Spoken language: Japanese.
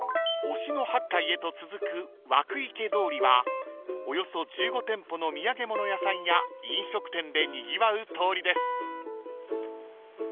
［忍野八海へと続く湧池通りはおよそ１５店舗の土産物屋さんや飲食店でにぎわう通りです］